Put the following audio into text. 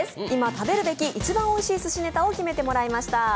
今、食べるべき一番おいしいすしネタを決めてもらいました。